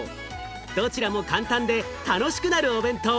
どちらも簡単で楽しくなるお弁当。